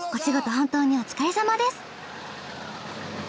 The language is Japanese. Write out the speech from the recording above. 本当にお疲れさまです。